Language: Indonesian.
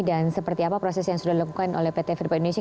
dan seperti apa proses yang sudah dilakukan oleh pt freeport indonesia